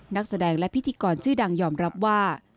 นักแสดงและพิธีกรชื่อดังยอมรับว่า